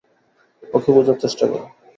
ওকে বোঝার চেষ্টা করো।